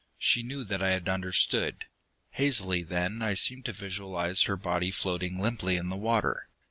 She knew that I had understood. Hazily, then, I seemed to visualize her body floating limply in the water.